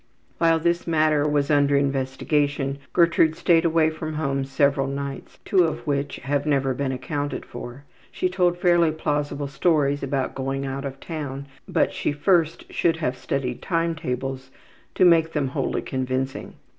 While this matter was under investigation Gertrude stayed away from home several nights, two of which have never been accounted for. She told fairly plausible stories about going out of town, but she first should have studied time tables to make them wholly convincing.